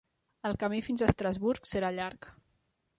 El camí fins a Estrasburg serà llarg